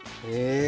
え？